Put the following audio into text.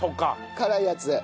辛いやつで。